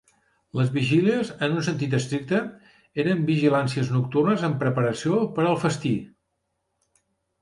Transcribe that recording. Les vigílies, en un sentit estricte, eren vigilàncies nocturnes en preparació per al festí.